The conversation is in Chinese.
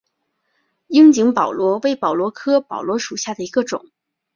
樱井宝螺为宝螺科宝螺属下的一个种。